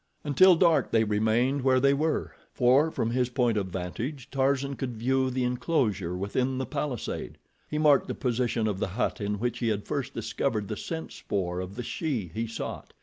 Until dark they remained where they were, for from his point of vantage, Tarzan could view the enclosure within the palisade. He marked the position of the hut in which he had first discovered the scent spoor of the she he sought.